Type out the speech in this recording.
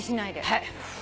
はい。